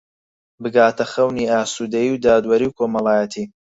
بگاتە خەونی ئاسوودەیی و دادوەریی کۆمەڵایەتی